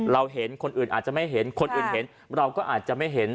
เราเห็นคนอื่นอาจจะไม่เห็นคนอื่นเห็นเราก็อาจจะไม่เห็น